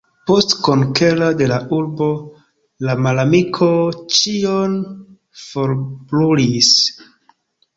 Post konkero de la urbo, la malamiko ĉion forbrulis.